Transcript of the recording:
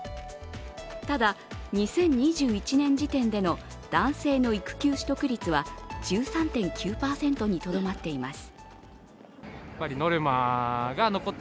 ただ、２０２１年時点での男性の育休取得率は１３．９％にとどまっています。